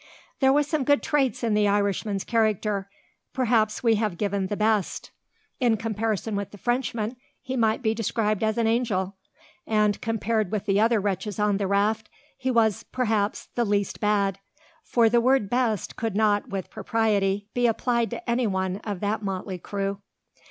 There were some good traits in the Irishman's character. Perhaps we have given the best. In comparison with the Frenchman, he might be described as an angel; and, compared with the other wretches on the raft, he was, perhaps, the least bad: for the word best could not, with propriety, be applied to anyone of that motley crew.